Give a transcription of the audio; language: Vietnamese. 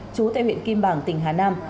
trú tại huyện kim bảng tỉnh hà nam